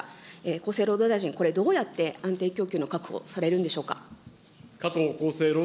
厚生労働大臣、これ、どうやって安定供給の確保されるんでしょうか。